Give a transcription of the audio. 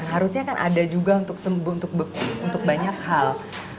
harusnya kan ada juga untuk banyak hal